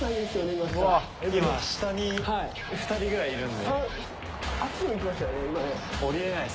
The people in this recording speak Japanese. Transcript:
今、下に２人ぐらいいるんで。